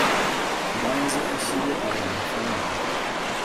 mbanze nshyire aya mafaranga